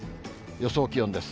予想気温です。